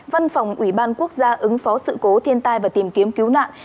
văn phòng ủy ban quốc gia ứng phó sự cố thiên tai và tìm kiếm cứu nạn